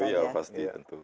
oh iya pasti tentu